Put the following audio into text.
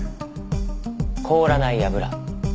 凍らない油。